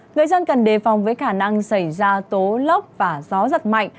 người dân cần đề phòng với khả năng xảy ra tố lốc và gió giật mạnh